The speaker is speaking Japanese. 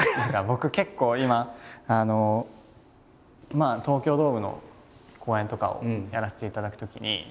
まあ東京ドームの公演とかをやらせていただくときに自分で。